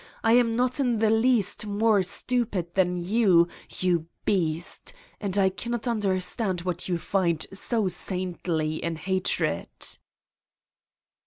I am not in the least more stupid than you, you beast, and I cannot understand what you find so saintly in hatred